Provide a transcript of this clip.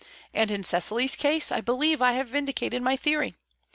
And in Cecily's case, I believe I have vindicated my theory.